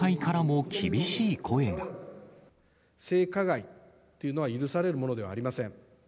性加害というのは許されるものではありません。